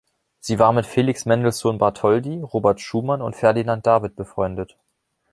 Sie war mit Felix Mendelssohn Bartholdy, Robert Schumann und Ferdinand David befreundet.